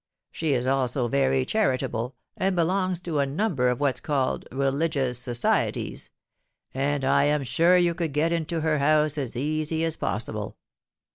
She is also very charitable, and belongs to a number of what's called Religious Societies; and I am sure you could get into her house as easy as possible.